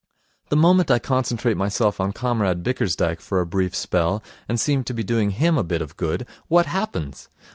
The moment I concentrate myself on Comrade Bickersdyke for a brief spell, and seem to be doing him a bit of good, what happens?